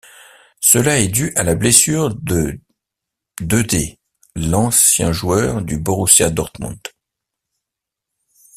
Cela est dû à la blessure de dedê, l'encien joueur du Borussia Dortmund.